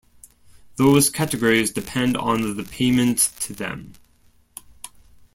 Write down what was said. Those categories depend on the payment to them.